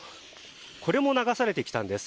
これも流されてきたんです。